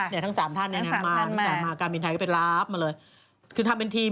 ค่ะทั้ง๓ท่านมาที่กาลเมียนไทยก็เป็นราบมาเลยคือทำเป็นทีม